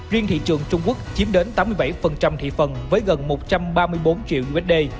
riêng thị trường trung quốc chiếm đến tám mươi bảy thị phần với gần một trăm ba mươi bốn triệu usd